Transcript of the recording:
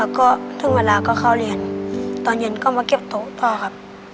แล้วก็ถึงเวลาก็เข้าเรียนตอนเย็นก็มาเก็บโต๊ะต่อครับ